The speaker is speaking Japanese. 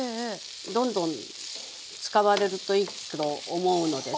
どんどん使われるといいと思うのです。